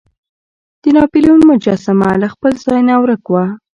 د ناپلیون مجسمه له خپل ځای نه ورک وه.